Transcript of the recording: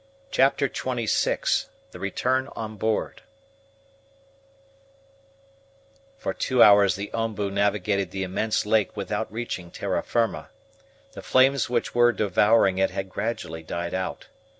CHAPTER XXVI THE RETURN ON BOARD FOR two hours the OMBU navigated the immense lake without reaching terra firma. The flames which were devouring it had gradually died out.